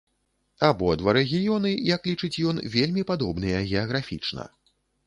Абодва рэгіёны, як лічыць ён, вельмі падобныя геаграфічна.